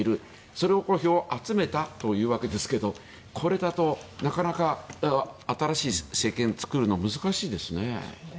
その票を集めたということですがこれだとなかなか新しい政権を作るのは難しいですね。